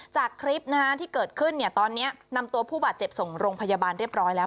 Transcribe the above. จากคลิปที่เกิดขึ้นตอนนี้นำตัวผู้บาดเจ็บส่งโรงพยาบาลเรียบร้อยแล้ว